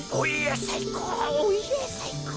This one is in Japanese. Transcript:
おいえさいこう